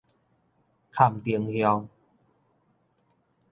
崁頂鄉